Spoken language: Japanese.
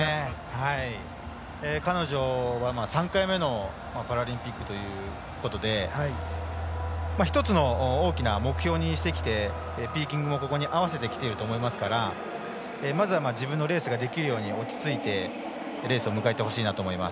彼女は３回目のパラリンピックということで１つの大きな目標にしてきてピーキングをここに合わせてきていますからまずは自分のレースができるよう落ち着いてレースを迎えてほしいです。